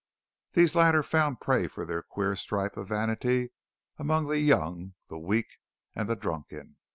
These latter found prey for their queer stripe of vanity among the young, the weak, and the drunken.